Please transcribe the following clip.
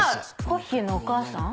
コッヒーのお母さん？